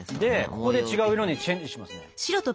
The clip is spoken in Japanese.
ここで違う色にチェンジしますね。